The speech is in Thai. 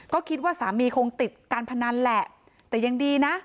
ก็คิดว่าสามีคงติดการพนันแหละแต่ยังดีนะ